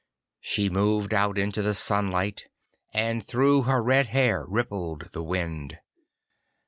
She moved out into the sunlight, and through her red hair rippled the wind.